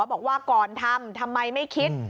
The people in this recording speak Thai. บอกว่าก่อนทำทำไมไม่คิด